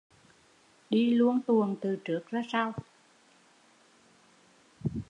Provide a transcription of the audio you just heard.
Đi luông tuồng từ trước ra sau